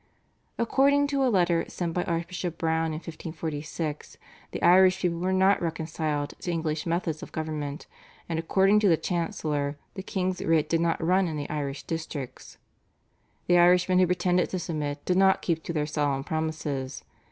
According to a letter sent by Archbishop Browne in 1546 the Irish people were not reconciled to English methods of government, and according to the chancellor, the king's writ did not run in the Irish districts. The Irishmen who pretended to submit did not keep to their solemn promises.